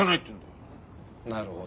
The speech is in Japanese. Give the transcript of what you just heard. なるほど。